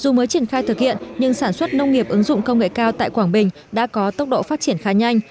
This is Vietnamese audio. dù mới triển khai thực hiện nhưng sản xuất nông nghiệp ứng dụng công nghệ cao tại quảng bình đã có tốc độ phát triển khá nhanh